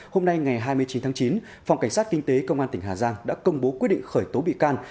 hôm nay ngày hai mươi chín tháng chín phòng cảnh sát kinh tế công an tỉnh hà giang đã công bố quyết định khởi tố bị can